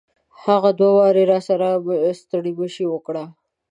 هغه دوه واري راسره ستړي مشي وکړه.